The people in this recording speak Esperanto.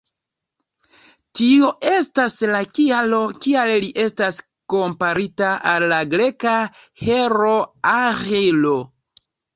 Tio estas la kialo kial li estas komparita al la greka heroo Aĥilo.